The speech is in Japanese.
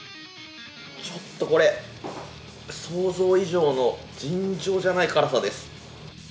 ちょっとこれ、想像以上の尋常じゃない辛さです。